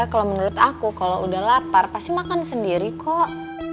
kalau menurut aku kalau udah lapar pasti makan sendiri kok